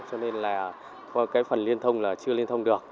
cho nên là phần liên thông là chưa liên thông được